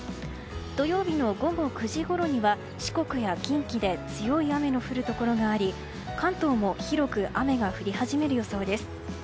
土曜日の午後９時ごろには四国や近畿で強い雨の降るところがあり関東も広く雨が降り始める予想です。